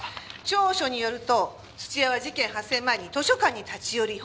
調書によると土屋は事件発生前に図書館に立ち寄り本を返却してます。